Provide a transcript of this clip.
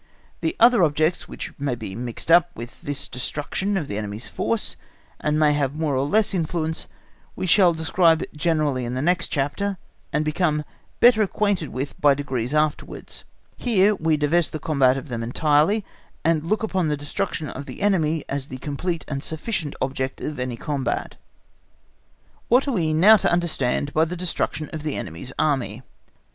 The other objects which may be mixed up with this destruction of the enemy's force, and may have more or less influence, we shall describe generally in the next chapter, and become better acquainted with by degrees afterwards; here we divest the combat of them entirely, and look upon the destruction of the enemy as the complete and sufficient object of any combat. What are we now to understand by destruction of the enemy's Army?